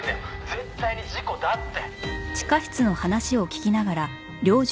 絶対に事故だって！」